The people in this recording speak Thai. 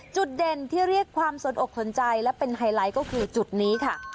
จุดเด่นที่เรียกความสนอกสนใจและเป็นไฮไลท์ก็คือจุดนี้ค่ะ